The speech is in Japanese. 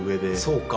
そうか。